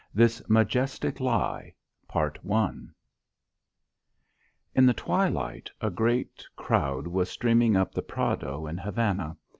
THIS MAJESTIC LIE In the twilight, a great crowd was streaming up the Prado in Havana.